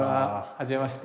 はじめまして。